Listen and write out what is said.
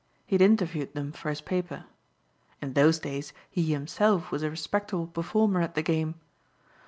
He had interviewed them for his paper. In those days he himself was a respectable performer at the game.